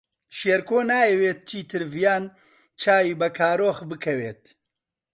شێرکۆ نایەوێت چیتر ڤیان چاوی بە کارۆخ بکەوێت.